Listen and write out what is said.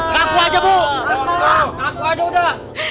ngaku aja udah